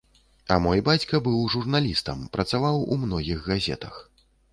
А мой бацька быў журналістам, працаваў у многіх газетах.